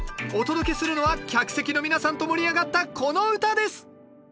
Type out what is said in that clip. お届けするのは客席の皆さんと盛り上がったこの唄です！